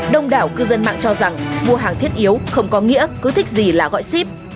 đông đảo cư dân mạng cho rằng mua hàng thiết yếu không có nghĩa cứ thích gì là gọi ship